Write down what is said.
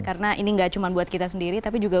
karena ini tidak cuma buat kita sendiri tapi juga